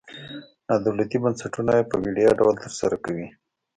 نادولتي بنسټونه یې په وړیا ډول تر سره کوي.